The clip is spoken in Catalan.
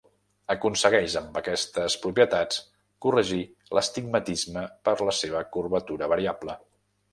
Aconsegueix amb aquestes propietats corregir l'astigmatisme per la seva curvatura variable.